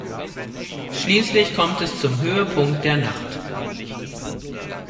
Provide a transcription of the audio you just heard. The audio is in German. Schließlich kommt es zum Höhepunkt der Nacht.